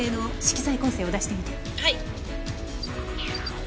はい。